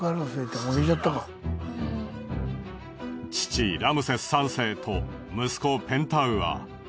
父ラムセス３世と息子ペンタウアー。